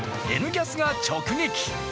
「Ｎキャス」が直撃。